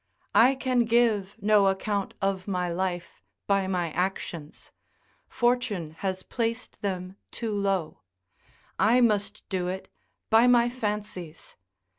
I can give no account of my life by my actions; fortune has placed them too low: I must do it by my fancies.